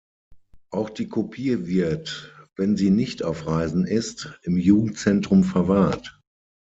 Auch die Kopie wird, wenn sie nicht auf Reisen ist, im Jugendzentrum verwahrt.